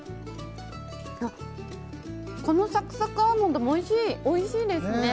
このサクサクアーモンドもおいしいですね。